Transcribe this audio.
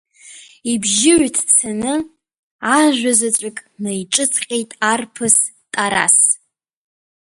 Ибжьы ҩыҭцаны, ажәа заҵәык наиҿыҵҟьеит арԥыс Тарас.